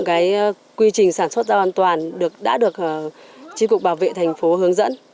giao an toàn đã được chính cục bảo vệ thành phố hướng dẫn